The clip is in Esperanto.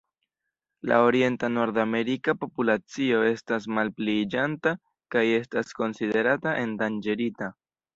La orienta nordamerika populacio estas malpliiĝanta kaj estas konsiderata endanĝerita.